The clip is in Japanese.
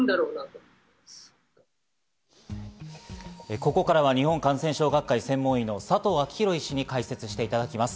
ここからは日本感染症学会専門医の佐藤昭裕医師に解説していただきます。